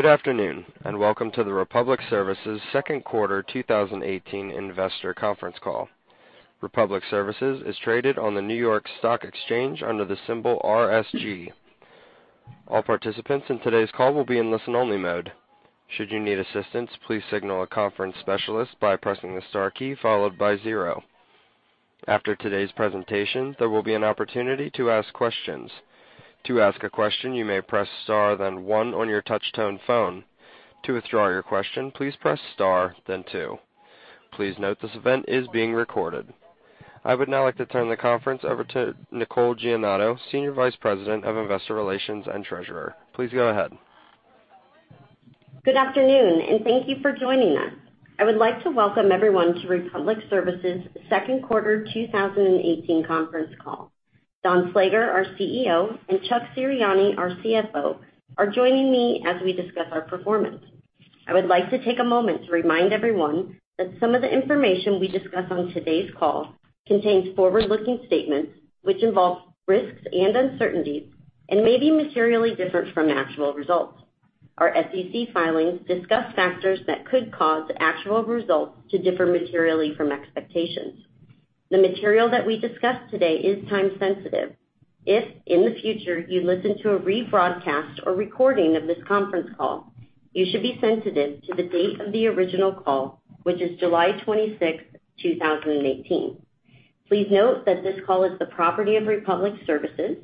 Good afternoon, welcome to the Republic Services second quarter 2018 investor conference call. Republic Services is traded on the New York Stock Exchange under the symbol RSG. All participants in today's call will be in listen-only mode. Should you need assistance, please signal a conference specialist by pressing the star key followed by zero. After today's presentation, there will be an opportunity to ask questions. To ask a question, you may press star then one on your touch tone phone. To withdraw your question, please press star then two. Please note this event is being recorded. I would now like to turn the conference over to Nicole Giandinoto, Senior Vice President of Investor Relations and Treasurer. Please go ahead. Good afternoon, thank you for joining us. I would like to welcome everyone to Republic Services second quarter 2018 conference call. Don Slager, our CEO, and Chuck Serianni, our CFO, are joining me as we discuss our performance. I would like to take a moment to remind everyone that some of the information we discuss on today's call contains forward-looking statements which involve risks and uncertainties and may be materially different from actual results. Our SEC filings discuss factors that could cause actual results to differ materially from expectations. The material that we discuss today is time sensitive. If, in the future, you listen to a rebroadcast or recording of this conference call, you should be sensitive to the date of the original call, which is July 26th, 2018. Please note that this call is the property of Republic Services.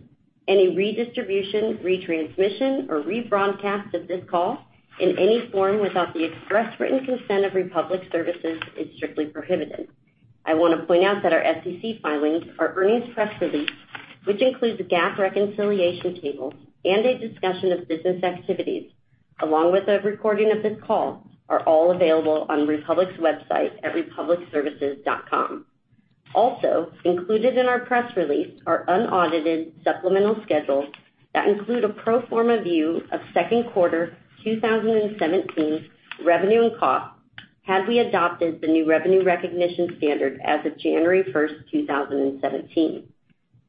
Any redistribution, retransmission, or rebroadcast of this call in any form without the express written consent of Republic Services is strictly prohibited. I want to point out that our SEC filings, our earnings press release, which includes a GAAP reconciliation table and a discussion of business activities, along with a recording of this call, are all available on Republic's website at republicservices.com. Also included in our press release are unaudited supplemental schedules that include a pro forma view of second quarter 2017 revenue and costs, had we adopted the new revenue recognition standard as of January 1st, 2017.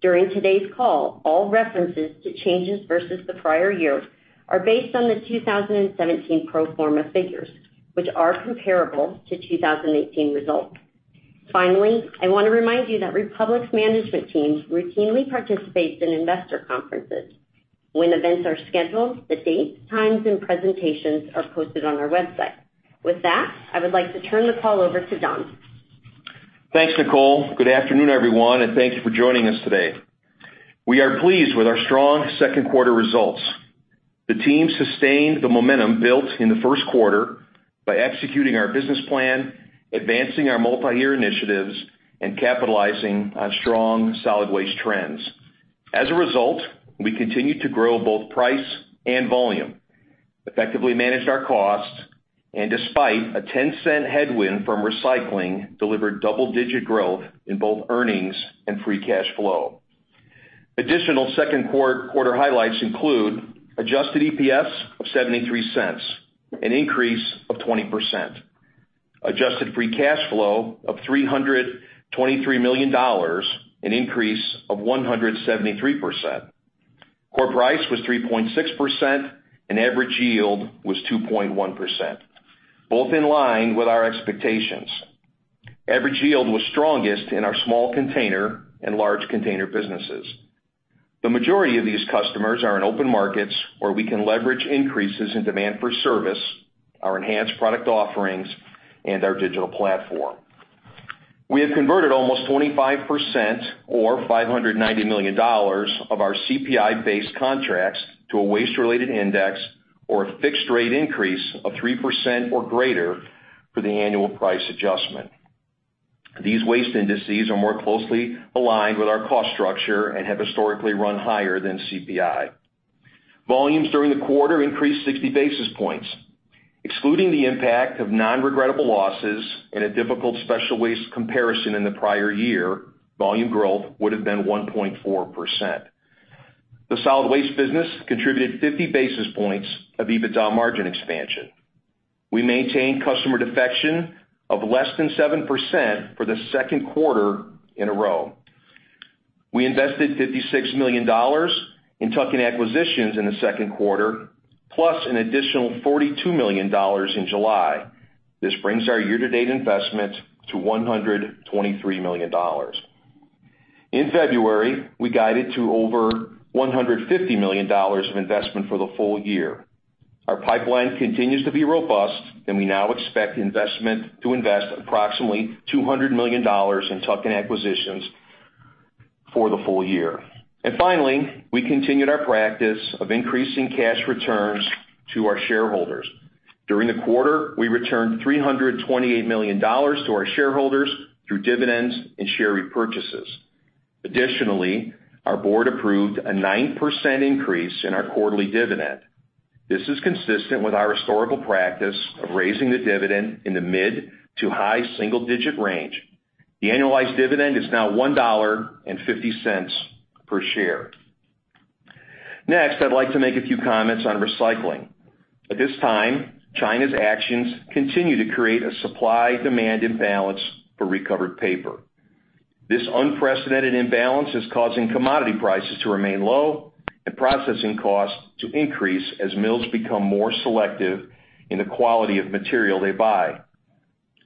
During today's call, all references to changes versus the prior year are based on the 2017 pro forma figures, which are comparable to 2018 results. Finally, I want to remind you that Republic's management team routinely participates in investor conferences. When events are scheduled, the dates, times, and presentations are posted on our website. With that, I would like to turn the call over to Don. Thanks, Nicole. Good afternoon, everyone, and thank you for joining us today. We are pleased with our strong second quarter results. The team sustained the momentum built in the first quarter by executing our business plan, advancing our multi-year initiatives, and capitalizing on strong solid waste trends. As a result, we continued to grow both price and volume, effectively managed our costs, and despite a $0.10 headwind from recycling, delivered double-digit growth in both earnings and free cash flow. Additional second quarter highlights include adjusted EPS of $0.73, an increase of 20%. Adjusted free cash flow of $323 million, an increase of 173%. Core price was 3.6% and average yield was 2.1%, both in line with our expectations. Average yield was strongest in our small container and large container businesses. The majority of these customers are in open markets where we can leverage increases in demand for service, our enhanced product offerings, and our digital platform. We have converted almost 25% or $590 million of our CPI-based contracts to a waste-related index or a fixed rate increase of 3% or greater for the annual price adjustment. These waste indices are more closely aligned with our cost structure and have historically run higher than CPI. Volumes during the quarter increased 60 basis points. Excluding the impact of non-regrettable losses and a difficult special waste comparison in the prior year, volume growth would have been 1.4%. The solid waste business contributed 50 basis points of EBITDA margin expansion. We maintained customer defection of less than 7% for the second quarter in a row. We invested $56 million in tuck-in acquisitions in the second quarter, plus an additional $42 million in July. This brings our year-to-date investment to $123 million. In February, we guided to over $150 million of investment for the full year. Our pipeline continues to be robust, we now expect investment to invest approximately $200 million in tuck-in acquisitions for the full year. Finally, we continued our practice of increasing cash returns to our shareholders. During the quarter, we returned $328 million to our shareholders through dividends and share repurchases. Additionally, our board approved a 9% increase in our quarterly dividend. This is consistent with our historical practice of raising the dividend in the mid to high single-digit range. The annualized dividend is now $1.50 per share. Next, I'd like to make a few comments on recycling. At this time, China's actions continue to create a supply-demand imbalance for recovered paper. This unprecedented imbalance is causing commodity prices to remain low and processing costs to increase as mills become more selective in the quality of material they buy.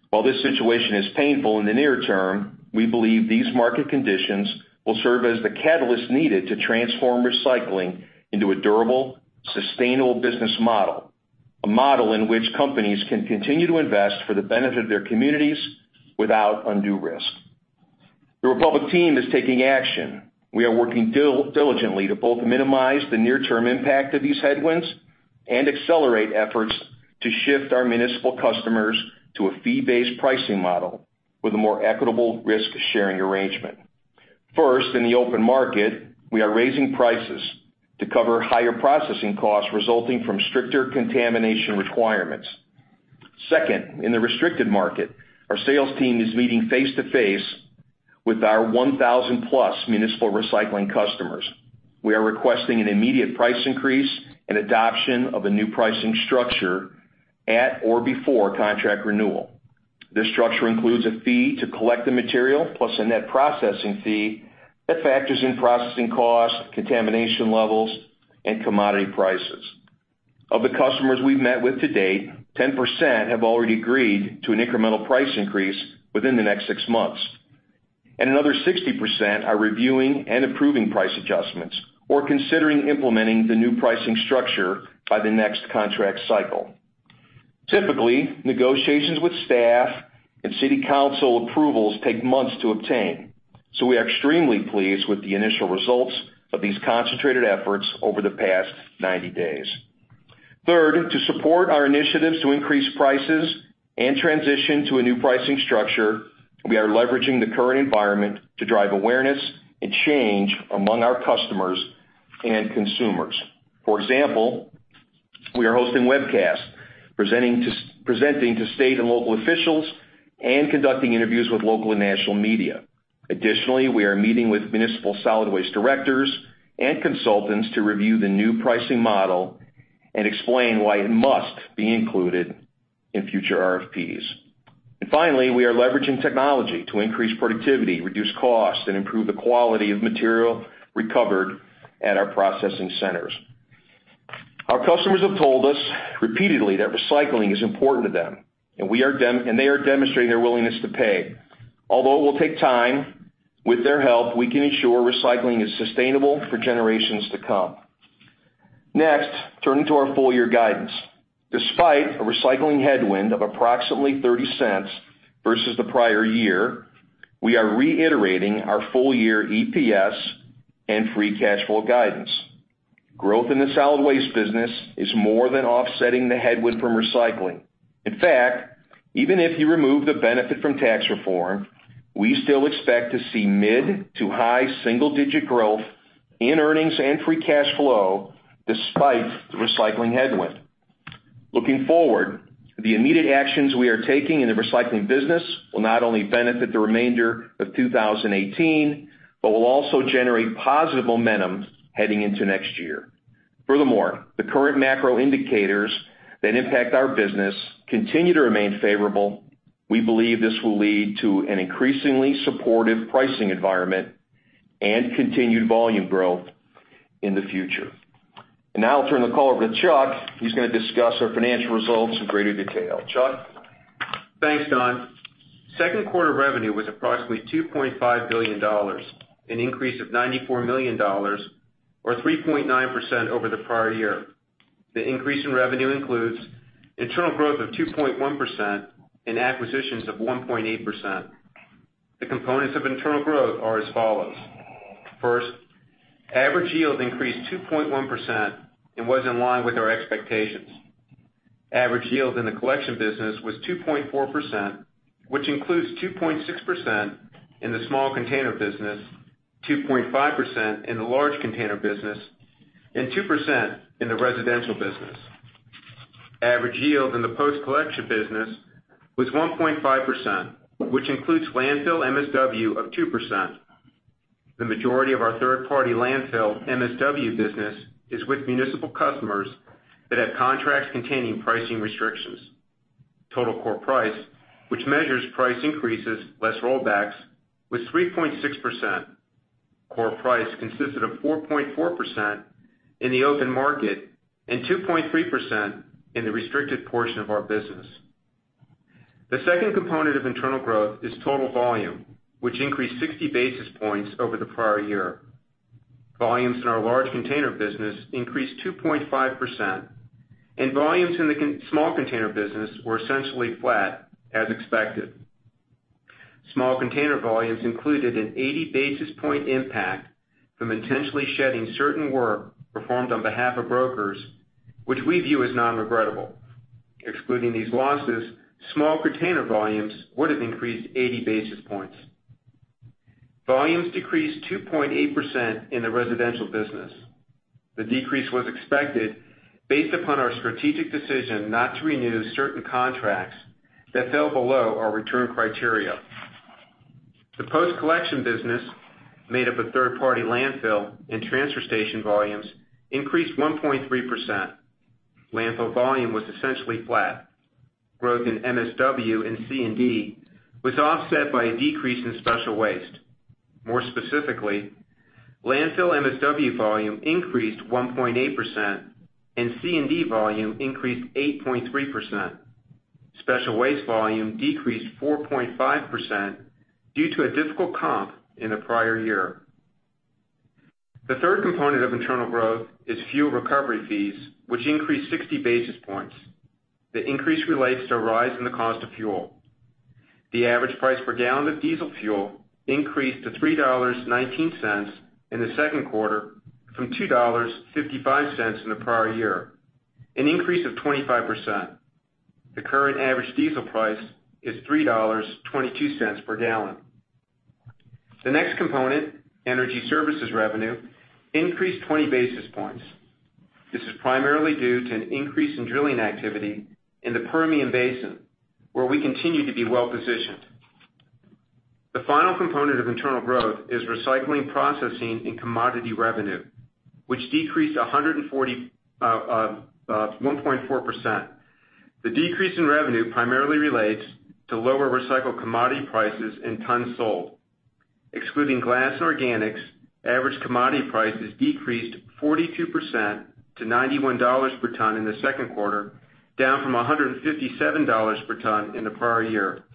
While this situation is painful in the near term, we believe these market conditions will serve as the catalyst needed to transform recycling into a durable, sustainable business model, a model in which companies can continue to invest for the benefit of their communities without undue risk. The Republic team is taking action. We are working diligently to both minimize the near-term impact of these headwinds and accelerate efforts to shift our municipal customers to a fee-based pricing model with a more equitable risk-sharing arrangement. First, in the open market, we are raising prices to cover higher processing costs resulting from stricter contamination requirements. Second, in the restricted market, our sales team is meeting face-to-face with our 1,000-plus municipal recycling customers. We are requesting an immediate price increase and adoption of a new pricing structure at or before contract renewal. This structure includes a fee to collect the material, plus a net processing fee that factors in processing costs, contamination levels, and commodity prices. Of the customers we've met with to date, 10% have already agreed to an incremental price increase within the next six months, and another 60% are reviewing and approving price adjustments or considering implementing the new pricing structure by the next contract cycle. Typically, negotiations with staff and city council approvals take months to obtain, so we are extremely pleased with the initial results of these concentrated efforts over the past 90 days. To support our initiatives to increase prices and transition to a new pricing structure, we are leveraging the current environment to drive awareness and change among our customers and consumers. We are hosting webcasts, presenting to state and local officials, and conducting interviews with local and national media. Additionally, we are meeting with municipal solid waste directors and consultants to review the new pricing model and explain why it must be included in future RFPs. Finally, we are leveraging technology to increase productivity, reduce costs, and improve the quality of material recovered at our processing centers. Our customers have told us repeatedly that recycling is important to them, and they are demonstrating their willingness to pay. Although it will take time, with their help, we can ensure recycling is sustainable for generations to come. Next, turning to our full-year guidance. Despite a recycling headwind of approximately $0.30 versus the prior year, we are reiterating our full-year EPS and free cash flow guidance. Growth in the solid waste business is more than offsetting the headwind from recycling. In fact, even if you remove the benefit from tax reform, we still expect to see mid- to high single-digit growth in earnings and free cash flow despite the recycling headwind. Looking forward, the immediate actions we are taking in the recycling business will not only benefit the remainder of 2018, but will also generate positive momentum heading into next year. The current macro indicators that impact our business continue to remain favorable. We believe this will lead to an increasingly supportive pricing environment and continued volume growth in the future. Now I'll turn the call over to Chuck, who's going to discuss our financial results in greater detail. Chuck? Thanks, Don. Second quarter revenue was approximately $2.5 billion, an increase of $94 million, or 3.9% over the prior year. The increase in revenue includes internal growth of 2.1% and acquisitions of 1.8%. The components of internal growth are as follows. Average yield increased 2.1% and was in line with our expectations. Average yield in the collection business was 2.4%, which includes 2.6% in the small container business, 2.5% in the large container business, and 2% in the residential business. Average yield in the post-collection business was 1.5%, which includes landfill MSW of 2%. The majority of our third-party landfill MSW business is with municipal customers that have contracts containing pricing restrictions. Total core price, which measures price increases less rollbacks, was 3.6%. Core price consisted of 4.4% in the open market and 2.3% in the restricted portion of our business. The second component of internal growth is total volume, which increased 60 basis points over the prior year. Volumes in our large container business increased 2.5%, and volumes in the small container business were essentially flat as expected. Small container volumes included an 80 basis point impact from intentionally shedding certain work performed on behalf of brokers, which we view as non-regrettable. Excluding these losses, small container volumes would have increased 80 basis points. Volumes decreased 2.8% in the residential business. The decrease was expected based upon our strategic decision not to renew certain contracts that fell below our return criteria. The post-collection business, made up of third-party landfill and transfer station volumes, increased 1.3%. Landfill volume was essentially flat. Growth in MSW and C&D was offset by a decrease in special waste. More specifically, landfill MSW volume increased 1.8%, and C&D volume increased 8.3%. Special waste volume decreased 4.5% due to a difficult comp in the prior year. The third component of internal growth is fuel recovery fees, which increased 60 basis points. The increase relates to a rise in the cost of fuel. The average price per gallon of diesel fuel increased to $3.19 in the second quarter from $2.55 in the prior year, an increase of 25%. The current average diesel price is $3.22 per gallon. The next component, energy services revenue, increased 20 basis points. This is primarily due to an increase in drilling activity in the Permian Basin, where we continue to be well-positioned. The final component of internal growth is recycling, processing, and commodity revenue, which decreased 1.4%. The decrease in revenue primarily relates to lower recycled commodity prices and tons sold. Excluding glass and organics, average commodity prices decreased 42% to $91 per ton in the second quarter, down from $157 per ton in the prior year.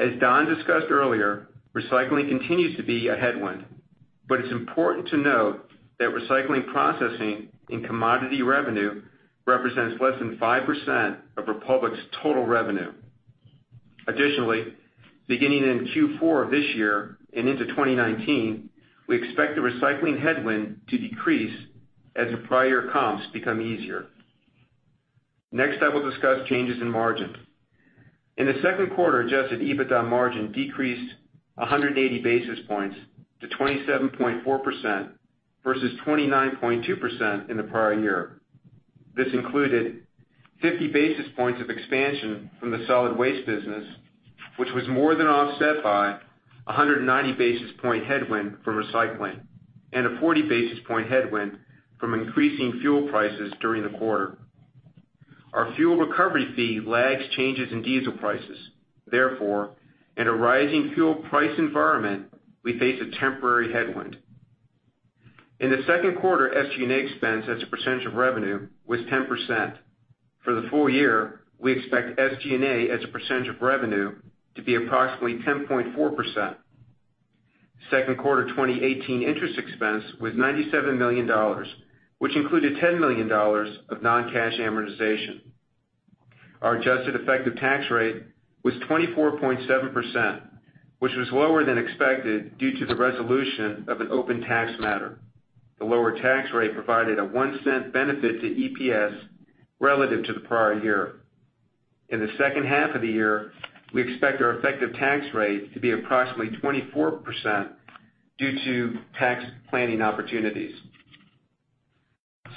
As Don discussed earlier, recycling continues to be a headwind, but it's important to note that recycling processing in commodity revenue represents less than 5% of Republic's total revenue. Beginning in Q4 of this year and into 2019, we expect the recycling headwind to decrease as the prior comps become easier. I will discuss changes in margin. In the second quarter, adjusted EBITDA margin decreased 180 basis points to 27.4% versus 29.2% in the prior year. This included 50 basis points of expansion from the solid waste business, which was more than offset by a 190-basis point headwind from recycling and a 40-basis point headwind from increasing fuel prices during the quarter. Our fuel recovery fee lags changes in diesel prices. In a rising fuel price environment, we face a temporary headwind. In the second quarter, SG&A expense as a percentage of revenue was 10%. For the full year, we expect SG&A as a percentage of revenue to be approximately 10.4%. Second quarter 2018 interest expense was $97 million, which included $10 million of non-cash amortization. Our adjusted effective tax rate was 24.7%, which was lower than expected due to the resolution of an open tax matter. The lower tax rate provided a $0.01 benefit to EPS relative to the prior year. In the second half of the year, we expect our effective tax rate to be approximately 24% due to tax planning opportunities.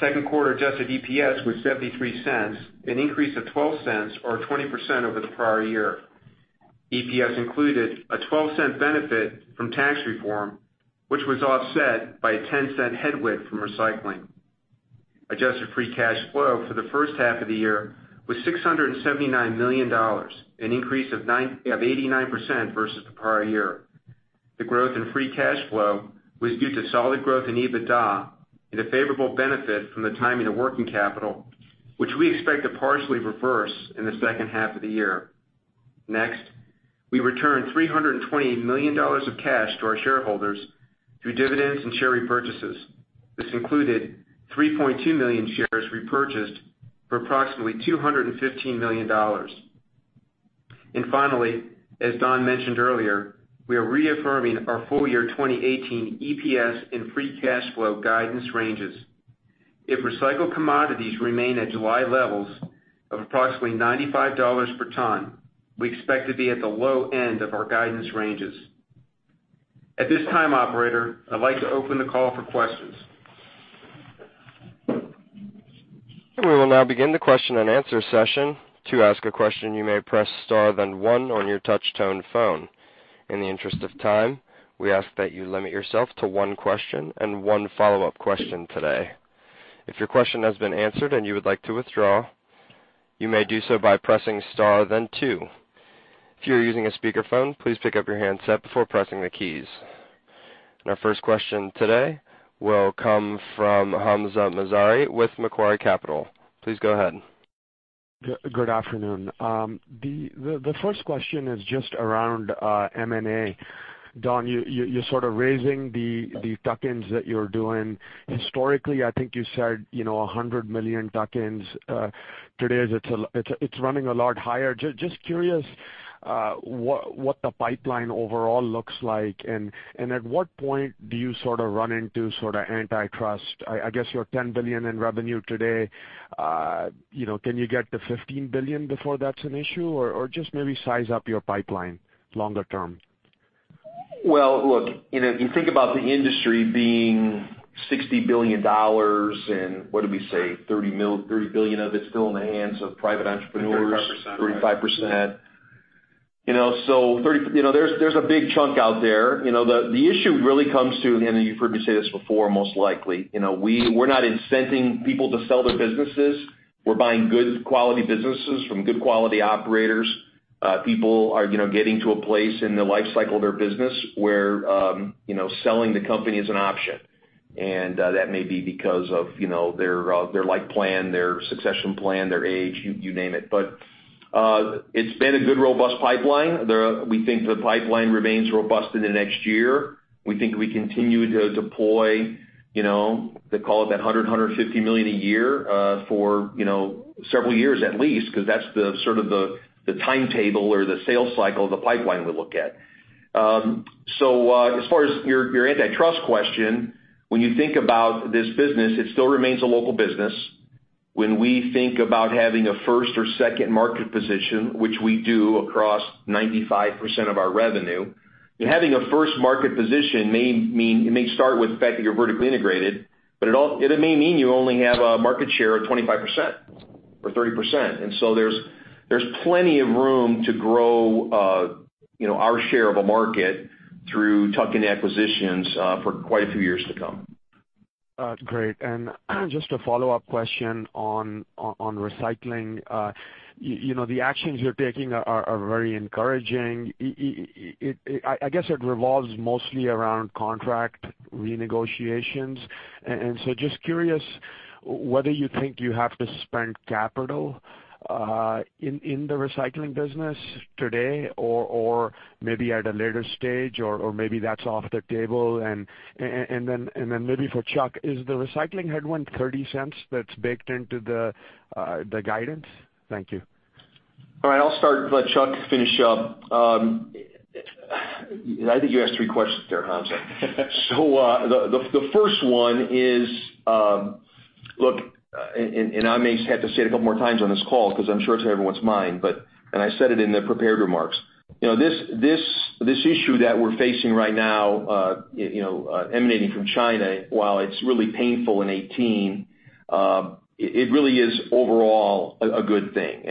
Second quarter adjusted EPS was $0.73, an increase of $0.12 or 20% over the prior year. EPS included a $0.12 benefit from tax reform, which was offset by a $0.10 headwind from recycling. Adjusted free cash flow for the first half of the year was $679 million, an increase of 89% versus the prior year. The growth in free cash flow was due to solid growth in EBITDA and a favorable benefit from the timing of working capital, which we expect to partially reverse in the second half of the year. We returned $320 million of cash to our shareholders through dividends and share repurchases. This included 3.2 million shares repurchased for approximately $215 million. Finally, as Don mentioned earlier, we are reaffirming our full year 2018 EPS and free cash flow guidance ranges. If recycled commodities remain at July levels of approximately $95 per ton, we expect to be at the low end of our guidance ranges. At this time, operator, I'd like to open the call for questions. We will now begin the question and answer session. To ask a question, you may press star then one on your touch-tone phone. In the interest of time, we ask that you limit yourself to one question and one follow-up question today. If your question has been answered and you would like to withdraw, you may do so by pressing star then two. If you are using a speakerphone, please pick up your handset before pressing the keys. Our first question today will come from Hamzah Mazari with Macquarie Capital. Please go ahead. Good afternoon. The first question is just around M&A. Don, you're sort of raising the tuck-ins that you're doing. Historically, I think you said $100 million tuck-ins. Today, it's running a lot higher. Just curious what the pipeline overall looks like and at what point do you run into sort of antitrust? I guess you're $10 billion in revenue today. Can you get to $15 billion before that's an issue? Just maybe size up your pipeline longer term. Well, look, if you think about the industry being $60 billion, what did we say, $30 billion of it is still in the hands of private entrepreneurs? 35%. There's a big chunk out there. The issue really comes to, you've heard me say this before, most likely, we're not incenting people to sell their businesses. We're buying good quality businesses from good quality operators. People are getting to a place in the life cycle of their business where selling the company is an option. That may be because of their life plan, their succession plan, their age, you name it. It's been a good, robust pipeline. We think the pipeline remains robust into next year. We think we continue to deploy, call it that $100 million-$150 million a year for several years at least, because that's the sort of the timetable or the sales cycle of the pipeline we look at. As far as your antitrust question, when you think about this business, it still remains a local business. When we think about having a first or second market position, which we do across 95% of our revenue, and having a first market position, it may start with the fact that you're vertically integrated, but it may mean you only have a market share of 25% or 30%. There's plenty of room to grow our share of a market through tuck-in acquisitions for quite a few years to come. Great. Just a follow-up question on recycling. The actions you're taking are very encouraging. I guess it revolves mostly around contract renegotiations, just curious whether you think you have to spend capital in the recycling business today, or maybe at a later stage, or maybe that's off the table. Maybe for Chuck, is the recycling headwind $0.30 that's baked into the guidance? Thank you. All right. I'll start and let Chuck finish up. I think you asked three questions there, Hamzah. The first one is, look, and I may have to say it a couple more times on this call because I'm sure it's on everyone's mind, but, I said it in the prepared remarks. This issue that we're facing right now emanating from China, while it's really painful in 2018, it really is overall a good thing.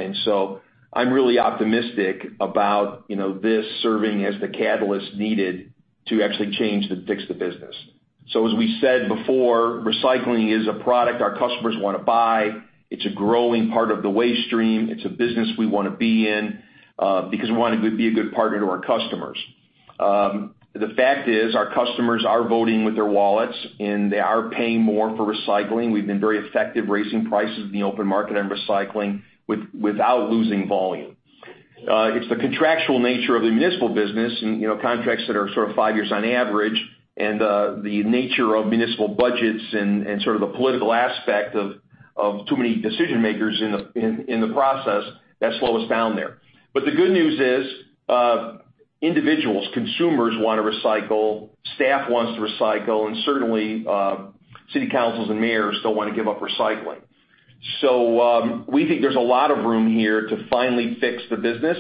I'm really optimistic about this serving as the catalyst needed to actually change to fix the business. As we said before, recycling is a product our customers want to buy. It's a growing part of the waste stream. It's a business we want to be in because we want to be a good partner to our customers. The fact is, our customers are voting with their wallets, and they are paying more for recycling. We've been very effective raising prices in the open market and recycling without losing volume. It's the contractual nature of the municipal business and contracts that are sort of five years on average and the nature of municipal budgets and sort of the political aspect of too many decision-makers in the process that slow us down there. The good news is, individuals, consumers want to recycle, staff wants to recycle, and certainly city councils and mayors don't want to give up recycling. We think there's a lot of room here to finally fix the business.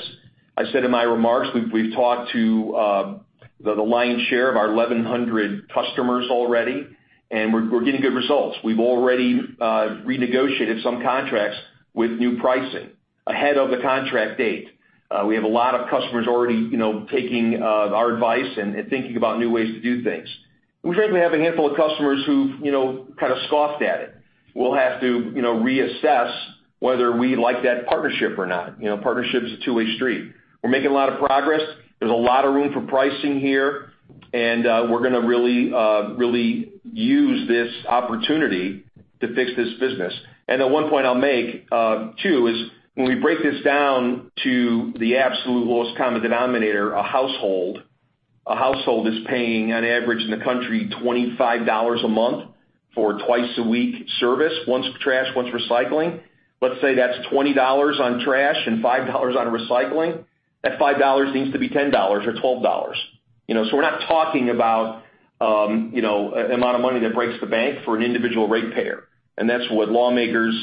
I said in my remarks, we've talked to the lion's share of our 1,100 customers already, and we're getting good results. We've already renegotiated some contracts with new pricing ahead of the contract date. We have a lot of customers already taking our advice and thinking about new ways to do things. We frankly have a handful of customers who've kind of scoffed at it. We'll have to reassess whether we like that partnership or not. Partnership is a two-way street. We're making a lot of progress. There's a lot of room for pricing here, and we're going to really use this opportunity to fix this business. The one point I'll make too is when we break this down to the absolute lowest common denominator, a household, a household is paying on average in the country $25 a month for twice-a-week service, once trash, once recycling. Let's say that's $20 on trash and $5 on recycling. That $5 needs to be $10 or $12. We're not talking about an amount of money that breaks the bank for an individual ratepayer, and that's what lawmakers,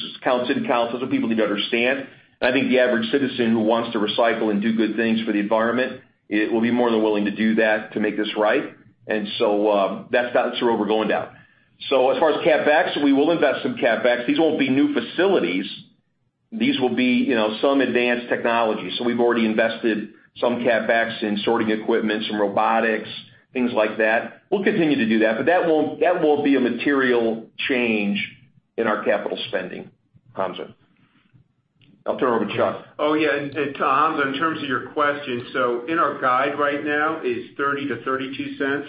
city councils, those are people need to understand. I think the average citizen who wants to recycle and do good things for the environment will be more than willing to do that to make this right. That's the road we're going down. As far as CapEx, we will invest some CapEx. These won't be new facilities. These will be some advanced technology. We've already invested some CapEx in sorting equipment, some robotics, things like that. We'll continue to do that, but that won't be a material change in our capital spending, Hamzah. I'll turn it over to Chuck. Oh, yeah. Hamzah, in terms of your question, so in our guide right now is $0.30-$0.32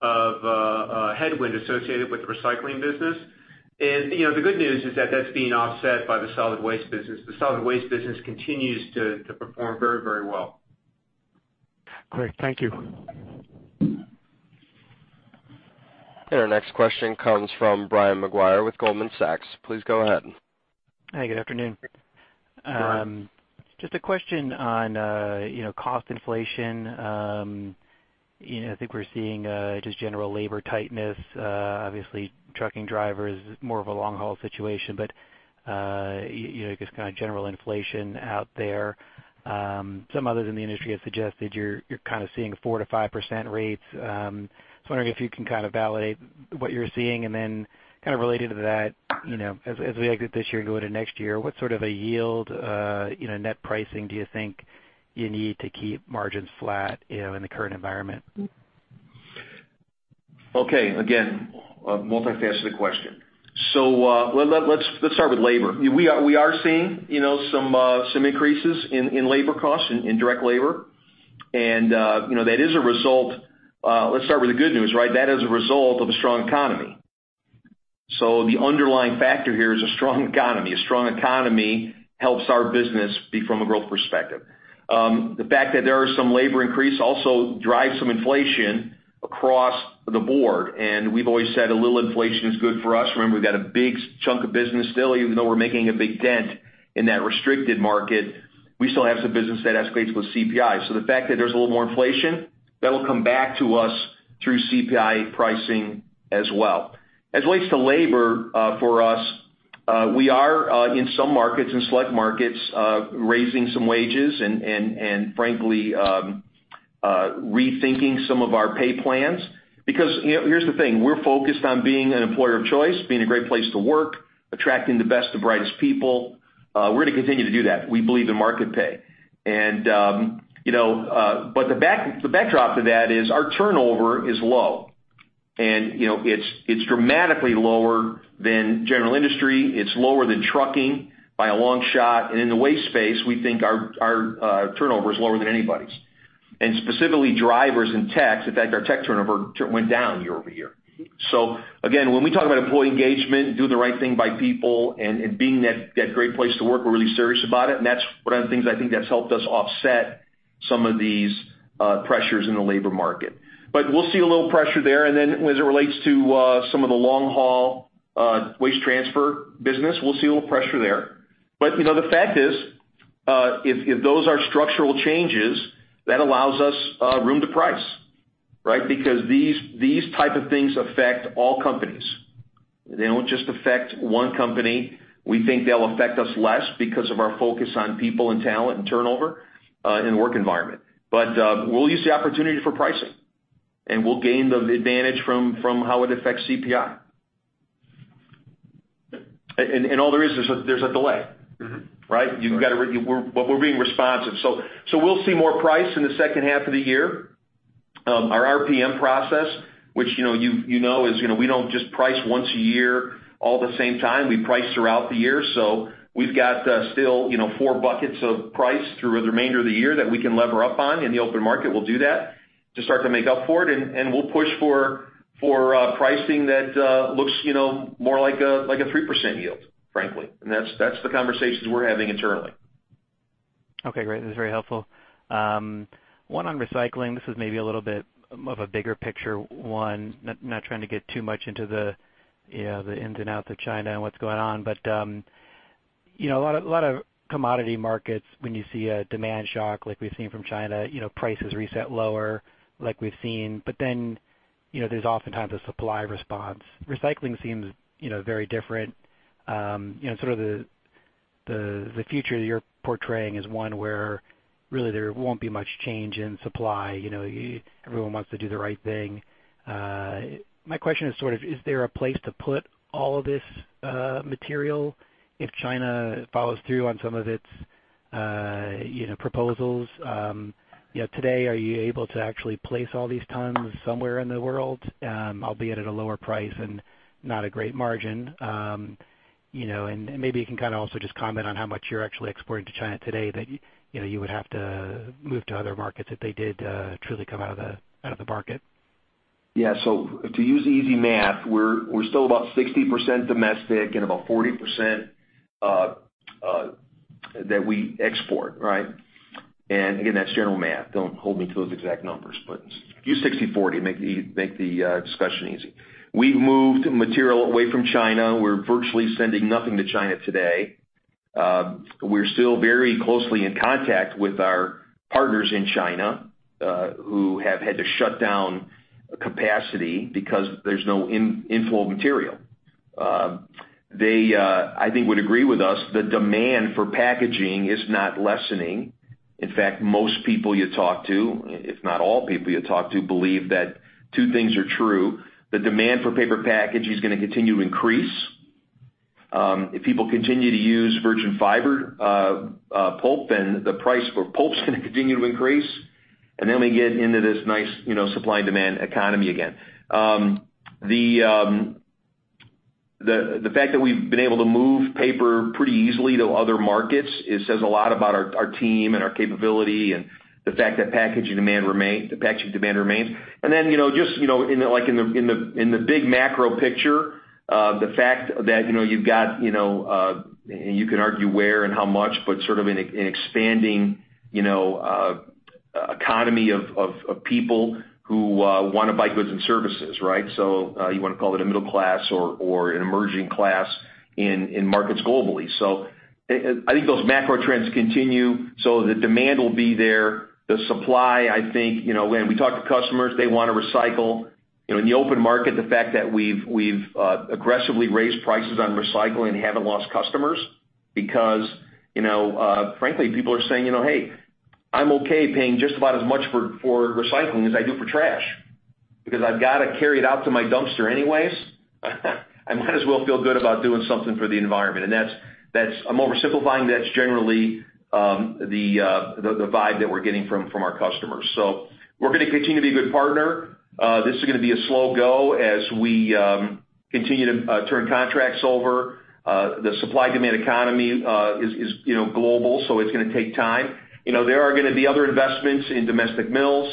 of headwind associated with the recycling business. The good news is that that's being offset by the solid waste business. The solid waste business continues to perform very well. Great. Thank you. Our next question comes from Brian Maguire with Goldman Sachs. Please go ahead. Hi, good afternoon. Brian. Just a question on cost inflation. I think we're seeing just general labor tightness, obviously trucking drivers, more of a long-haul situation, but just kind of general inflation out there. Some others in the industry have suggested you're kind of seeing 4%-5% rates. Wondering if you can kind of validate what you're seeing and then kind of related to that, as we exit this year and go into next year, what sort of a yield net pricing do you think you need to keep margins flat in the current environment? Okay. Again, a multifaceted question. Let's start with labor. We are seeing some increases in labor costs, in direct labor, and let's start with the good news, right? That is a result of a strong economy. The underlying factor here is a strong economy. A strong economy helps our business be from a growth perspective. The fact that there is some labor increase also drives some inflation across the board, and we've always said a little inflation is good for us. Remember, we've got a big chunk of business still, even though we're making a big dent in that restricted market, we still have some business that escalates with CPI. The fact that there's a little more inflation, that will come back to us through CPI pricing as well. As it relates to labor for us, we are, in some markets, in select markets, raising some wages and frankly, rethinking some of our pay plans. Here's the thing, we're focused on being an employer of choice, being a great place to work, attracting the best of brightest people. We're going to continue to do that. We believe in market pay. The backdrop to that is our turnover is low. It's dramatically lower than general industry. It's lower than trucking by a long shot. In the waste space, we think our turnover is lower than anybody's. Specifically drivers and techs, in fact, our tech turnover went down year-over-year. Again, when we talk about employee engagement and do the right thing by people and being that great place to work, we're really serious about it, and that's one of the things I think that's helped us offset some of these pressures in the labor market. We'll see a little pressure there, and then as it relates to some of the long-haul waste transfer business, we'll see a little pressure there. The fact is, if those are structural changes, that allows us room to price, right? These type of things affect all companies. They don't just affect one company. We think they'll affect us less because of our focus on people and talent and turnover, and work environment. We'll use the opportunity for pricing, and we'll gain the advantage from how it affects CPI. All there is, there's a delay, right? Mm-hmm. Right. We're being responsive. We'll see more price in the second half of the year. Our RPM process, which you know is we don't just price once a year all at the same time. We price throughout the year. We've got still four buckets of price through the remainder of the year that we can lever up on in the open market. We'll do that to start to make up for it, and we'll push for pricing that looks more like a 3% yield, frankly. That's the conversations we're having internally. Okay, great. This is very helpful. One on recycling, this is maybe a little bit of a bigger picture one, not trying to get too much into the ins and outs of China and what's going on. A lot of commodity markets, when you see a demand shock like we've seen from China, prices reset lower like we've seen. There's oftentimes a supply response. Recycling seems very different. Sort of the future you're portraying is one where really there won't be much change in supply. Everyone wants to do the right thing. My question is sort of, is there a place to put all of this material if China follows through on some of its proposals? Today, are you able to actually place all these tons somewhere in the world, albeit at a lower price and not a great margin? Maybe you can kind of also just comment on how much you're actually exporting to China today that you would have to move to other markets if they did truly come out of the market. Yeah. To use easy math, we're still about 60% domestic and about 40% that we export, right? Again, that's general math. Don't hold me to those exact numbers, but use 60/40, make the discussion easy. We've moved material away from China. We're virtually sending nothing to China today. We're still very closely in contact with our partners in China, who have had to shut down capacity because there's no inflow of material. They, I think, would agree with us, the demand for packaging is not lessening. In fact, most people you talk to, if not all people you talk to, believe that two things are true. The demand for paper packaging is going to continue to increase. If people continue to use virgin fiber pulp, the price for pulp is going to continue to increase, and then we get into this nice supply and demand economy again. The fact that we've been able to move paper pretty easily to other markets, it says a lot about our team and our capability and the fact that packaging demand remains. Just in the big macro picture, the fact that you can argue where and how much, but sort of an expanding economy of people who want to buy goods and services, right? You want to call it a middle class or an emerging class in markets globally. I think those macro trends continue, so the demand will be there. The supply, I think, when we talk to customers, they want to recycle. In the open market, the fact that we've aggressively raised prices on recycling and haven't lost customers because frankly, people are saying, "Hey, I'm okay paying just about as much for recycling as I do for trash because I've got to carry it out to my dumpster anyways. Might as well feel good about doing something for the environment. I'm oversimplifying, that's generally the vibe that we're getting from our customers. We're going to continue to be a good partner. This is going to be a slow go as we continue to turn contracts over. The supply-demand economy is global, so it's going to take time. There are going to be other investments in domestic mills.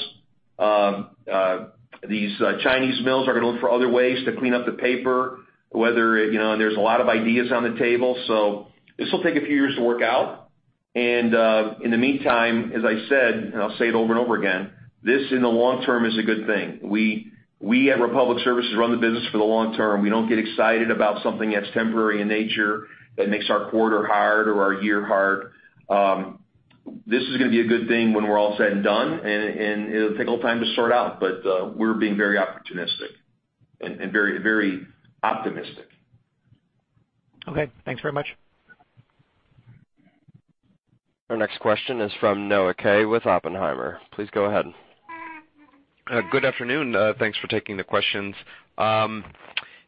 These Chinese mills are going to look for other ways to clean up the paper, whether there's a lot of ideas on the table. This will take a few years to work out. In the meantime, as I said, and I'll say it over and over again, this in the long term is a good thing. We at Republic Services run the business for the long term. We don't get excited about something that's temporary in nature that makes our quarter hard or our year hard. This is going to be a good thing when we're all said and done, and it'll take a little time to sort out. We're being very opportunistic and very optimistic. Okay. Thanks very much. Our next question is from Noah Kaye with Oppenheimer. Please go ahead. Good afternoon. Thanks for taking the questions.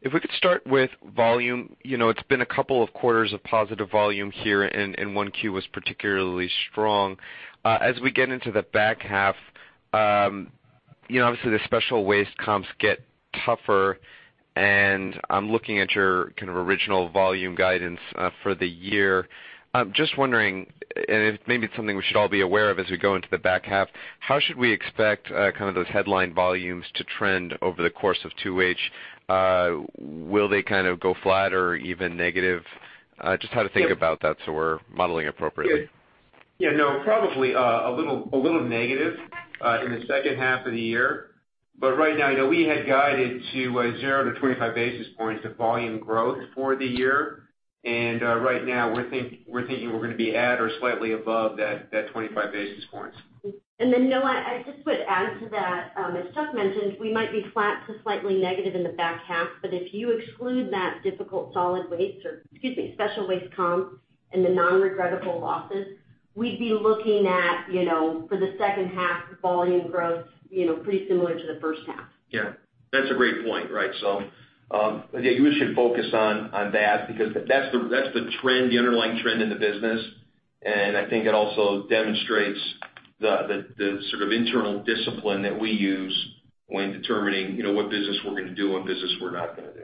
If we could start with volume. It's been a couple of quarters of positive volume here, and 1Q was particularly strong. As we get into the back half, obviously, the special waste comps get tougher, and I'm looking at your kind of original volume guidance for the year. I'm just wondering, and maybe it's something we should all be aware of as we go into the back half, how should we expect kind of those headline volumes to trend over the course of 2H? Will they kind of go flat or even negative? Just how to think about that so we're modeling appropriately. Yeah, Noah, probably a little negative in the second half of the year. Right now, we had guided to 0 to 25 basis points of volume growth for the year. Right now, we're thinking we're going to be at or slightly above that 25 basis points. Noah, I just would add to that, as Chuck mentioned, we might be flat to slightly negative in the back half, but if you exclude that difficult solid waste or, excuse me, special waste comp and the non-regrettable losses, we'd be looking at, for the second half volume growth, pretty similar to the first half. That's a great point. Yeah, you should focus on that because that's the underlying trend in the business. I think it also demonstrates the sort of internal discipline that we use when determining what business we're going to do and what business we're not going to do.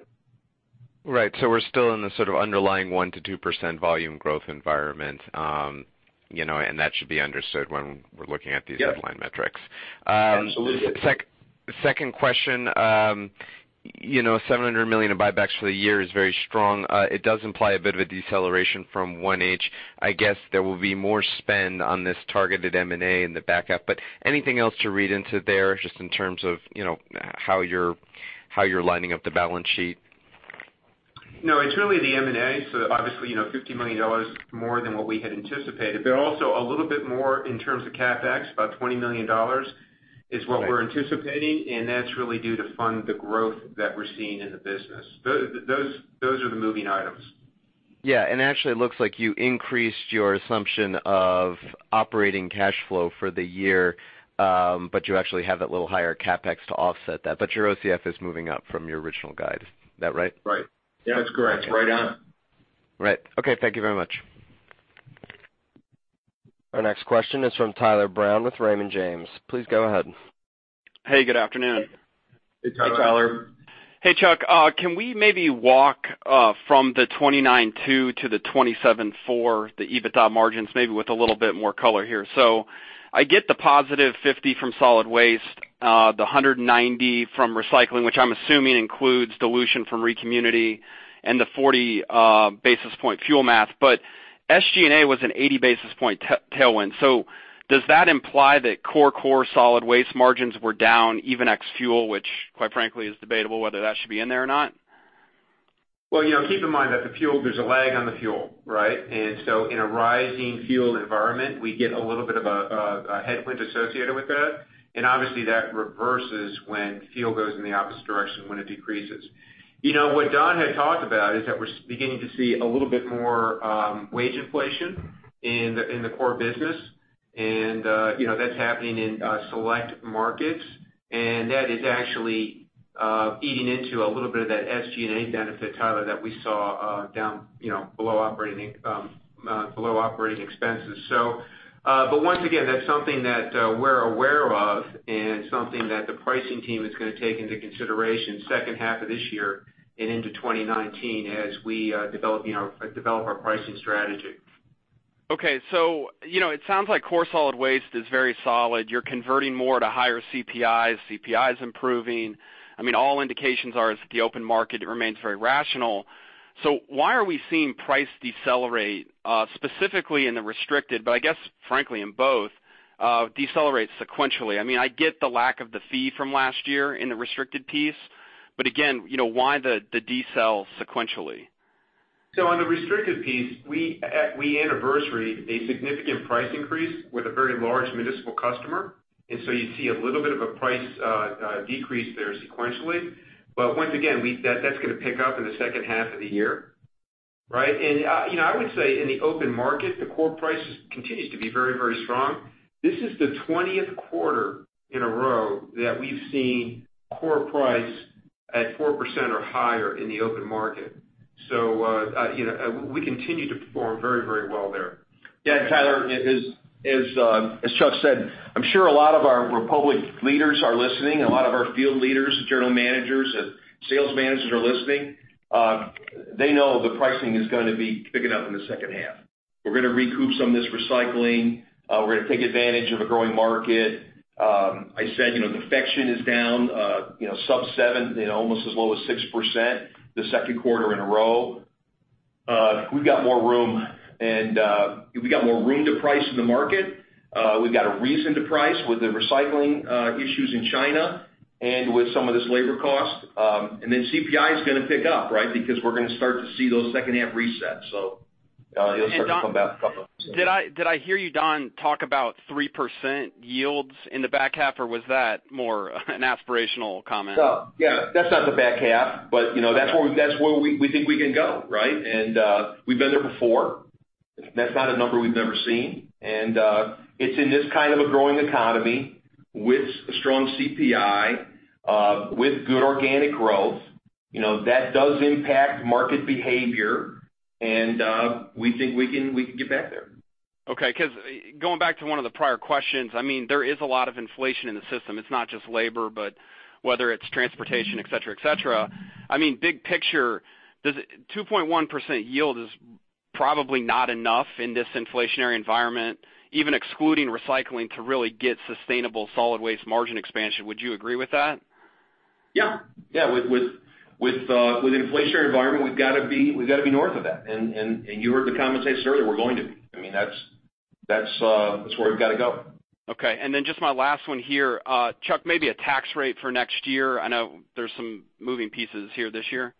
Right. We're still in the sort of underlying 1%-2% volume growth environment. That should be understood when we're looking at these headline metrics. Absolutely. Second question. $700 million of buybacks for the year is very strong. It does imply a bit of a deceleration from 1H. I guess there will be more spend on this targeted M&A in the backup. Anything else to read into there just in terms of how you're lining up the balance sheet? No, it's really the M&A. Obviously, $50 million more than what we had anticipated, also a little bit more in terms of CapEx. About $20 million is what we're anticipating, and that's really due to fund the growth that we're seeing in the business. Those are the moving items. Yeah. Actually, it looks like you increased your assumption of operating cash flow for the year, you actually have that little higher CapEx to offset that. Your OCF is moving up from your original guide. Is that right? Right. Yeah, that's correct. Right on. Right. Okay, thank you very much. Our next question is from Tyler Brown with Raymond James. Please go ahead. Hey, good afternoon. Hey, Tyler. Hey, Tyler. Hey, Chuck. Can we maybe walk from the 29.2 to the 27.4, the EBITDA margins, maybe with a little bit more color here. I get the positive 50 from solid waste, the 190 from recycling, which I'm assuming includes dilution from ReCommunity and the 40 basis point fuel math. SG&A was an 80 basis point tailwind. Does that imply that core solid waste margins were down even ex fuel, which quite frankly is debatable whether that should be in there or not? Well, keep in mind that the fuel, there's a lag on the fuel, right? In a rising fuel environment, we get a little bit of a headwind associated with that. Obviously, that reverses when fuel goes in the opposite direction when it decreases. What Don had talked about is that we're beginning to see a little bit more wage inflation in the core business, and that's happening in select markets. That is actually eating into a little bit of that SG&A benefit, Tyler, that we saw down below operating expenses. Once again, that's something that we're aware of and something that the pricing team is going to take into consideration second half of this year and into 2019 as we develop our pricing strategy. Okay. It sounds like core solid waste is very solid. You're converting more to higher CPI. CPI is improving. All indications are is the open market remains very rational. Why are we seeing price decelerate specifically in the restricted, but I guess frankly in both, decelerate sequentially? I get the lack of the fee from last year in the restricted piece, again, why the decel sequentially? On the restricted piece, we anniversary a significant price increase with a very large municipal customer, you see a little bit of a price decrease there sequentially. Once again, that's going to pick up in the second half of the year. Right? I would say in the open market, the core price continues to be very strong. This is the 20th quarter in a row that we've seen core price at 4% or higher in the open market. We continue to perform very well there. Yeah, Tyler, as Chuck said, I'm sure a lot of our Republic leaders are listening. A lot of our field leaders, general managers, and sales managers are listening. They know the pricing is going to be picking up in the second half. We're going to recoup some of this recycling. We're going to take advantage of a growing market. I said, defection is down, sub 7, almost as low as 6% the second quarter in a row. We've got more room to price in the market. We've got a reason to price with the recycling issues in China and with some of this labor cost. CPI is going to pick up, right? Because we're going to start to see those second-half resets, it'll start to come back. Did I hear you, Don, talk about 3% yields in the back half, or was that more an aspirational comment? Yeah, that's not the back half. That's where we think we can go, right? We've been there before. That's not a number we've never seen. It's in this kind of a growing economy with a strong CPI, with good organic growth. That does impact market behavior, and we think we can get back there. Okay, going back to one of the prior questions, there is a lot of inflation in the system. It's not just labor, but whether it's transportation, et cetera. Big picture, 2.1% yield is probably not enough in this inflationary environment, even excluding recycling, to really get sustainable solid waste margin expansion. Would you agree with that? Yeah. With inflationary environment, we've got to be north of that. You heard the conversation earlier, we're going to be. That's where we've got to go. Okay, just my last one here. Chuck, maybe a tax rate for next year. I know there's some moving pieces here this year.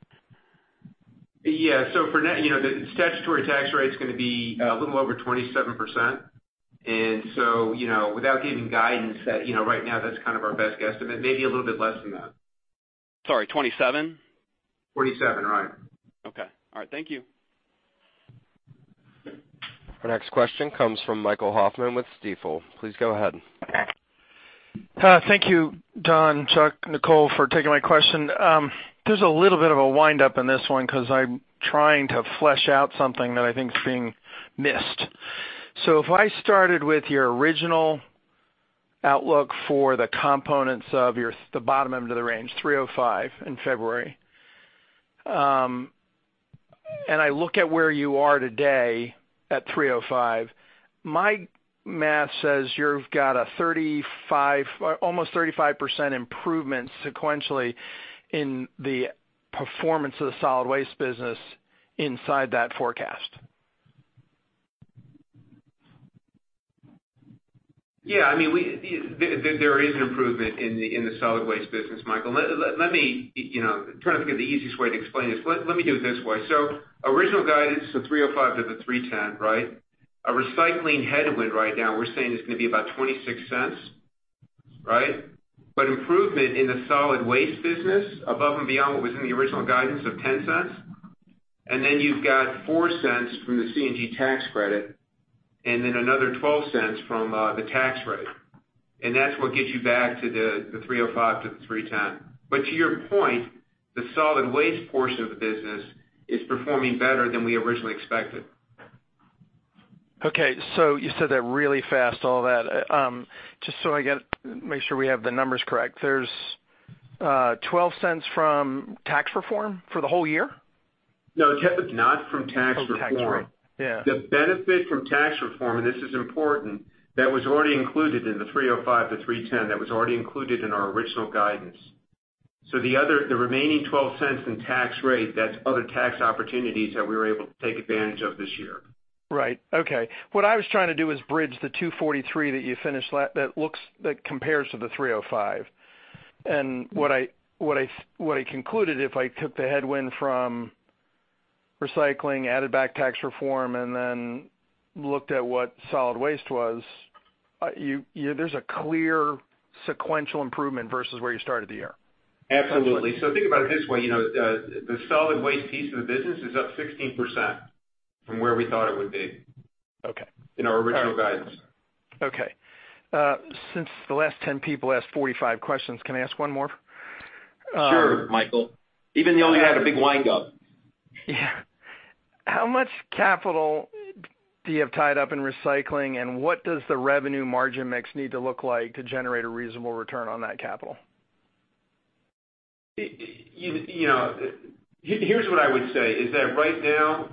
Yeah. For now, the statutory tax rate's going to be a little over 27%. Without giving guidance, right now that's kind of our best guesstimate, maybe a little bit less than that. Sorry, 27? Twenty-seven, right. Okay. All right, thank you. Our next question comes from Michael Hoffman with Stifel. Please go ahead. Thank you, Don, Chuck, Nicole, for taking my question. There's a little bit of a wind-up in this one because I'm trying to flesh out something that I think is being missed. If I started with your original outlook for the components of the bottom end of the range, $3.05 in February. I look at where you are today at $3.05. My math says you've got almost 35% improvement sequentially in the performance of the solid waste business inside that forecast. Yeah, there is an improvement in the solid waste business, Michael. I'm trying to think of the easiest way to explain this. Let me do it this way. Original guidance to $3.05-$3.10, right? A recycling headwind right now, we're saying is going to be about $0.26, right? Improvement in the solid waste business above and beyond what was in the original guidance of $0.10, then you've got $0.04 from the CNG tax credit, then another $0.12 from the tax rate. That's what gets you back to the $3.05-$3.10. To your point, the solid waste portion of the business is performing better than we originally expected. Okay. You said that really fast, all that. Just so I make sure we have the numbers correct. There's $0.12 from tax reform for the whole year? No, it's not from tax reform. From tax rate. Yeah. The benefit from tax reform, and this is important, that was already included in the $3.05-$3.10. That was already included in our original guidance. The remaining $0.12 in tax rate, that's other tax opportunities that we were able to take advantage of this year. Right. Okay. What I was trying to do is bridge the 243 that you finished that compares to the 305. What I concluded, if I took the headwind from recycling, added back tax reform, and then looked at what solid waste was, there is a clear sequential improvement versus where you started the year. Absolutely. Think about it this way. The solid waste piece of the business is up 16% from where we thought it would be. Okay In our original guidance. Okay. Since the last 10 people asked 45 questions, can I ask one more? Sure, Michael. Even though you had a big wind-up. Yeah. How much capital do you have tied up in recycling, and what does the revenue margin mix need to look like to generate a reasonable return on that capital? Here's what I would say, is that right now,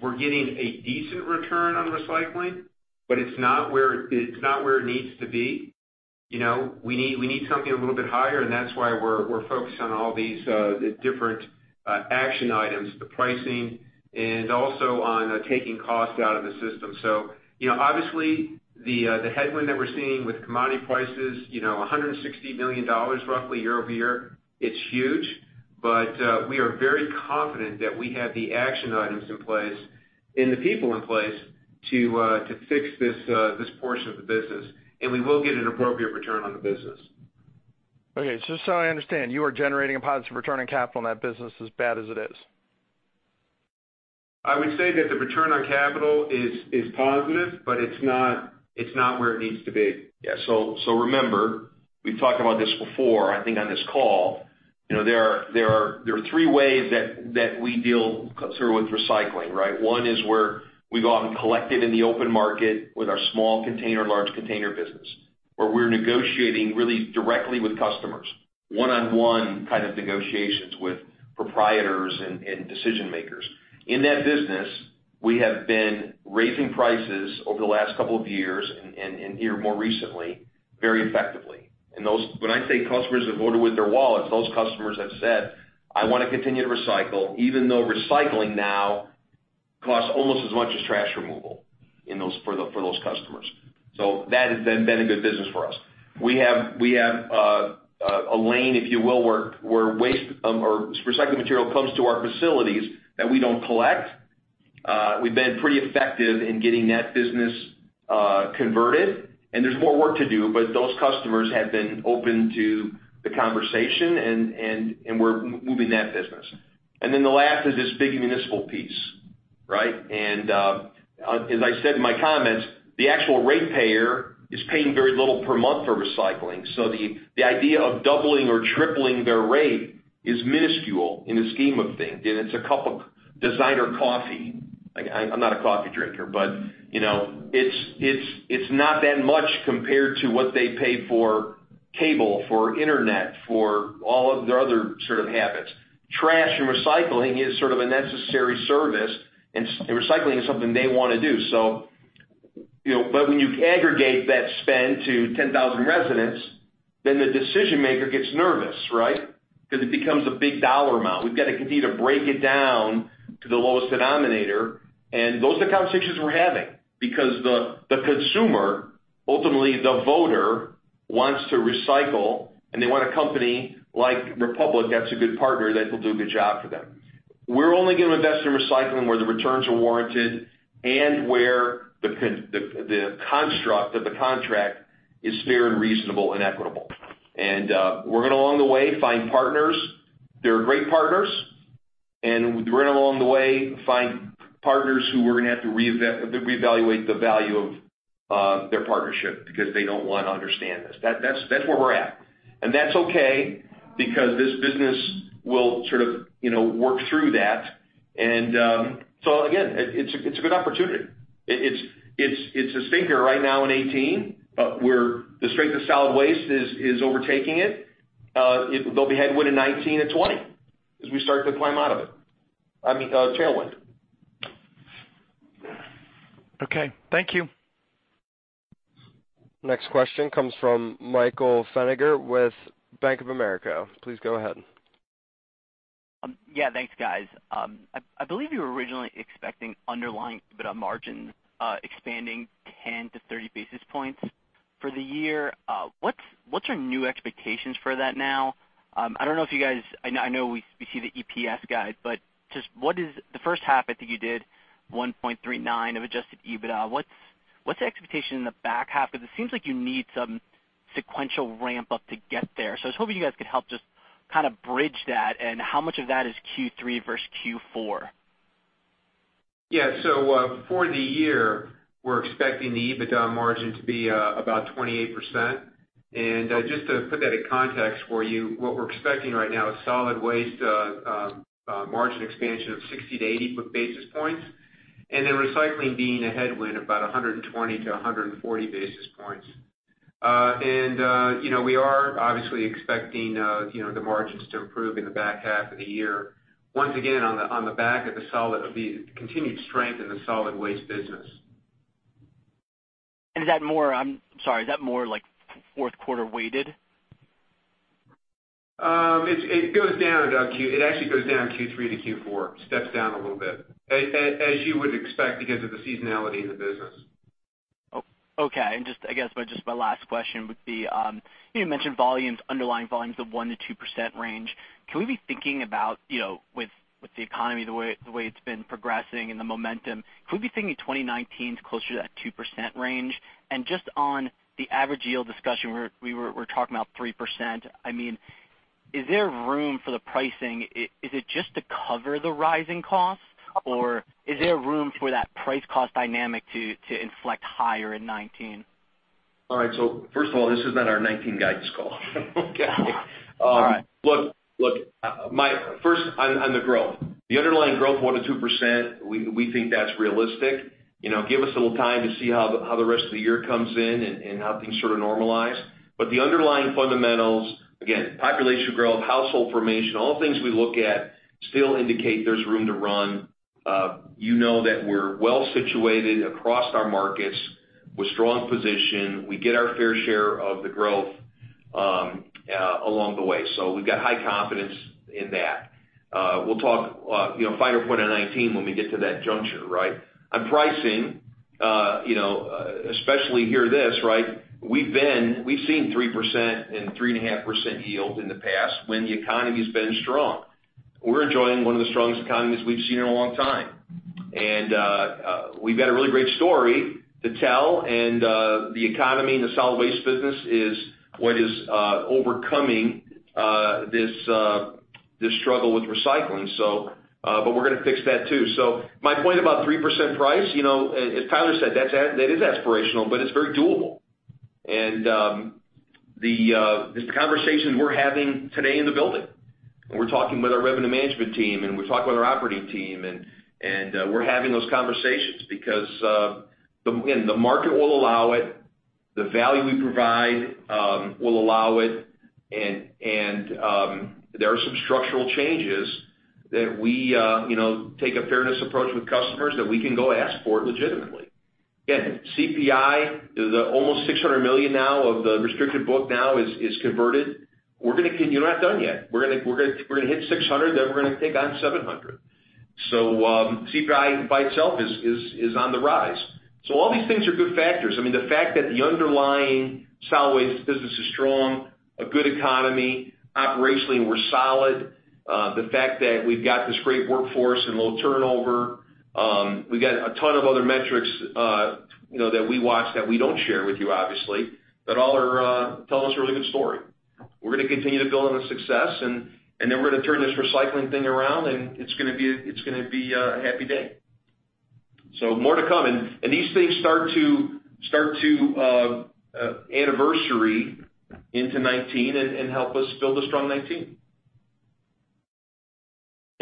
we're getting a decent return on recycling, but it's not where it needs to be. We need something a little bit higher, and that's why we're focused on all these different action items, the pricing, and also on taking costs out of the system. Obviously the headwind that we're seeing with commodity prices, $160 million roughly year-over-year, it's huge, but we are very confident that we have the action items in place and the people in place to fix this portion of the business, and we will get an appropriate return on the business. Okay, just so I understand, you are generating a positive return on capital in that business as bad as it is? I would say that the return on capital is positive, but it's not where it needs to be. Remember, we've talked about this before, I think on this call. There are three ways that we deal through with recycling, right? One is where we go out and collect it in the open market with our small container, large container business, where we're negotiating really directly with customers, one-on-one kind of negotiations with proprietors and decision-makers. In that business, we have been raising prices over the last couple of years and here more recently, very effectively. When I say customers have voted with their wallets, those customers have said, "I want to continue to recycle, even though recycling now costs almost as much as trash removal," for those customers. That has then been a good business for us. We have a lane, if you will, where waste or recycled material comes to our facilities that we don't collect. We've been pretty effective in getting that business converted, there's more work to do, but those customers have been open to the conversation, and we're moving that business. The last is this big municipal piece, right? As I said in my comments, the actual rate payer is paying very little per month for recycling. The idea of doubling or tripling their rate is minuscule in the scheme of things. It's a cup of designer coffee. I'm not a coffee drinker, but it's not that much compared to what they pay for cable, for internet, for all of their other sort of habits. Trash and recycling is sort of a necessary service, and recycling is something they want to do. When you aggregate that spend to 10,000 residents, then the decision-maker gets nervous, right? Because it becomes a big dollar amount. We've got to continue to break it down to the lowest denominator, and those are the conversations we're having because the consumer, ultimately the voter, wants to recycle, and they want a company like Republic Services that's a good partner that will do a good job for them. We're only going to invest in recycling where the returns are warranted and where the construct of the contract is fair and reasonable and equitable. We're going to, along the way, find partners. There are great partners, and we're going to, along the way, find partners who we're going to have to reevaluate the value of their partnership because they don't want to understand this. That's where we're at. That's okay because this business will sort of work through that. Again, it's a good opportunity. It's a stinker right now in 2018, but the strength of solid waste is overtaking it. There'll be headwind in 2019 and 2020 as we start to climb out of it. I mean, tailwind. Okay. Thank you. Next question comes from Michael Feniger with Bank of America. Please go ahead. Yeah. Thanks, guys. I believe you were originally expecting underlying EBITDA margin expanding 10 to 30 basis points for the year. What's your new expectations for that now? I don't know if you guys I know we see the EPS guide, but just what is the first half? I think you did $1.39 of adjusted EBITDA. What's the expectation in the back half? I was hoping you guys could help just kind of bridge that and how much of that is Q3 versus Q4. Yeah. For the year, we're expecting the EBITDA margin to be about 28%. Just to put that in context for you, what we're expecting right now is solid waste margin expansion of 60 to 80 basis points, and then recycling being a headwind about 120 to 140 basis points. We are obviously expecting the margins to improve in the back half of the year, once again, on the back of the continued strength in the solid waste business. Is that more I'm sorry, is that more like fourth quarter weighted? It actually goes down Q3 to Q4, steps down a little bit, as you would expect because of the seasonality in the business. Okay. I guess just my last question would be, you mentioned volumes, underlying volumes of 1%-2% range. Can we be thinking about, with the economy the way it's been progressing and the momentum, could we be thinking 2019 is closer to that 2% range? Just on the average yield discussion, we were talking about 3%. I mean, is there room for the pricing? Is it just to cover the rising costs, or is there room for that price-cost dynamic to inflect higher in 2019? All right. First of all, this is not our 2019 guidance call. Okay. All right. Look, first on the growth. The underlying growth 1%-2%, we think that's realistic. Give us a little time to see how the rest of the year comes in and how things sort of normalize. The underlying fundamentals, again, population growth, household formation, all the things we look at still indicate there's room to run. You know that we're well-situated across our markets with strong position. We get our fair share of the growth along the way. We've got high confidence in that. We'll talk finer point in 2019 when we get to that juncture, right? On pricing, especially hear this, right? We've seen 3% and 3.5% yield in the past when the economy's been strong. We're enjoying one of the strongest economies we've seen in a long time. We've got a really great story to tell, and the economy and the solid waste business is what is overcoming this struggle with recycling. We're going to fix that too. My point about 3% price, as Tyler said, that is aspirational, but it's very doable. This is a conversation we're having today in the building. We're talking with our revenue management team, and we're talking with our operating team, and we're having those conversations because the market will allow it, the value we provide will allow it, and there are some structural changes that we take a fairness approach with customers that we can go ask for it legitimately. Again, CPI, the almost $600 million now of the restricted book now is converted. We're not done yet. We're going to hit $600 million, then we're going to take on $700 million. CPI by itself is on the rise. All these things are good factors. I mean, the fact that the underlying solid waste business is strong, a good economy, operationally we're solid. The fact that we've got this great workforce and low turnover. We got a ton of other metrics that we watch that we don't share with you, obviously, that all tell us a really good story. We're going to continue to build on the success, then we're going to turn this recycling thing around, and it's going to be a happy day. More to come. These things start to anniversary into 2019 and help us build a strong 2019.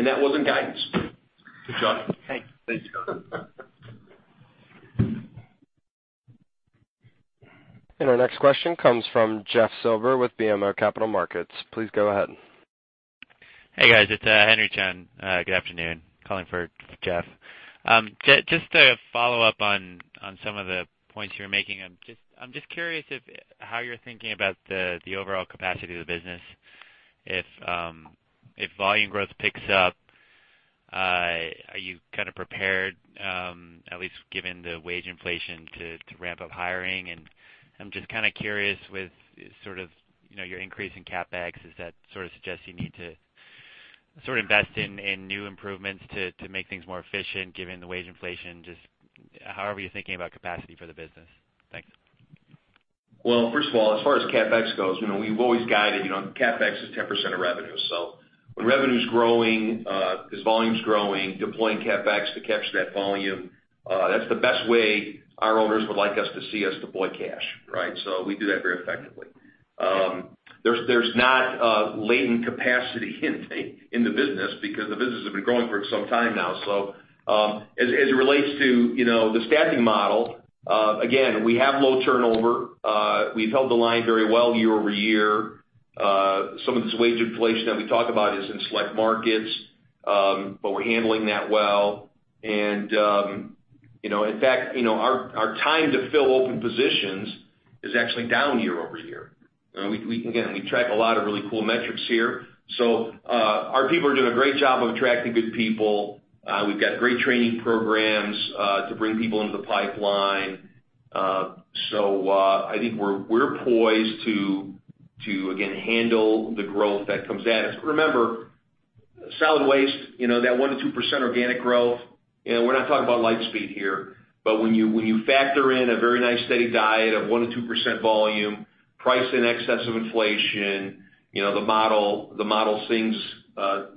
That wasn't guidance. Good job. Thank you. Thanks, Scott. Our next question comes from Jeffrey Silber with BMO Capital Markets. Please go ahead. Hey, guys. It's Henry Chen. Good afternoon, calling for Jeff. Just to follow up on some of the points you were making, I'm just curious how you're thinking about the overall capacity of the business. If volume growth picks up, are you kind of prepared, at least given the wage inflation, to ramp up hiring? I'm just kind of curious with your increase in CapEx, does that sort of suggest you need to sort of invest in new improvements to make things more efficient given the wage inflation? Just however you're thinking about capacity for the business. Thanks. Well, first of all, as far as CapEx goes, we've always guided, CapEx is 10% of revenue. When revenue's growing, as volume's growing, deploying CapEx to capture that volume, that's the best way our owners would like us to see us deploy cash, right? We do that very effectively. There's not latent capacity in the business because the business has been growing for some time now. As it relates to the staffing model, again, we have low turnover. We've held the line very well year-over-year. Some of this wage inflation that we talk about is in select markets, but we're handling that well. In fact, our time to fill open positions is actually down year-over-year. Again, we track a lot of really cool metrics here. Our people are doing a great job of attracting good people. We've got great training programs to bring people into the pipeline. I think we're poised to, again, handle the growth that comes at us. Remember, solid waste, that 1%-2% organic growth, we're not talking about light speed here, but when you factor in a very nice steady diet of 1%-2% volume, price in excess of inflation, the model sings a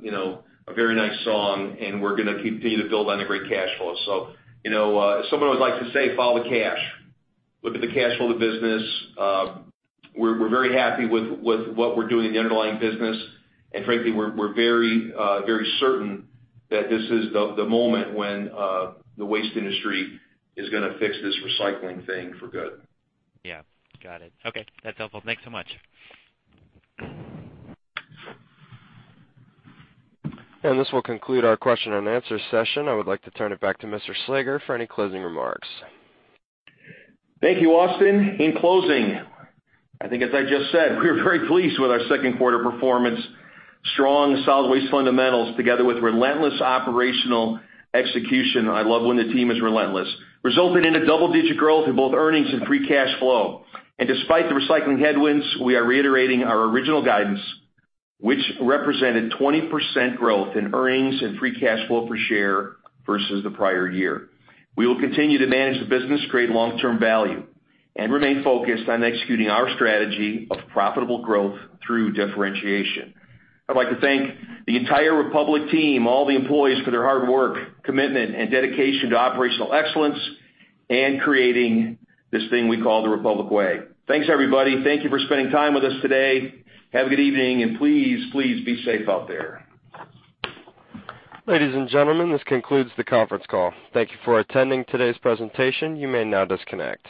very nice song. We're going to continue to build on the great cash flow. As someone always likes to say, follow the cash. Look at the cash flow of the business. We're very happy with what we're doing in the underlying business. Frankly, we're very certain that this is the moment when the waste industry is going to fix this recycling thing for good. Yeah. Got it. Okay. That's helpful. Thanks so much. This will conclude our question and answer session. I would like to turn it back to Mr. Slager for any closing remarks. Thank you, Austin. In closing, I think as I just said, we are very pleased with our second quarter performance. Strong, solid waste fundamentals together with relentless operational execution, I love when the team is relentless, resulted in a double-digit growth in both earnings and free cash flow. Despite the recycling headwinds, we are reiterating our original guidance, which represented 20% growth in earnings and free cash flow per share versus the prior year. We will continue to manage the business to create long-term value, and remain focused on executing our strategy of profitable growth through differentiation. I'd like to thank the entire Republic team, all the employees for their hard work, commitment, and dedication to operational excellence and creating this thing we call The Republic Way. Thanks, everybody. Thank you for spending time with us today. Have a good evening, and please be safe out there. Ladies and gentlemen, this concludes the conference call. Thank you for attending today's presentation. You may now disconnect.